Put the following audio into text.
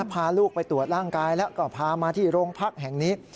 พาลูกไปตรวจร่างกายแล้วก็พามาที่โรงพักแห่งนี้